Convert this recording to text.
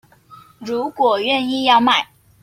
如果願意要賣